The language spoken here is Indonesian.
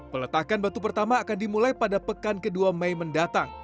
peletakan batu pertama akan dimulai pada pekan ke dua mei mendatang